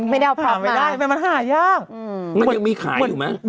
ไม่ได้เอาผักไม่ได้แต่มันหายากมันยังมีขายอยู่ไหม